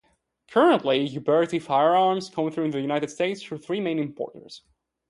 Currently, Uberti firearms come into the United States through three main importers.